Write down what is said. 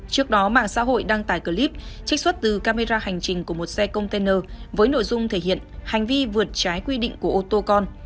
trước đó mạng xã hội đăng tải clip trích xuất từ camera hành trình của một xe container với nội dung thể hiện hành vi vượt trái quy định của ô tô con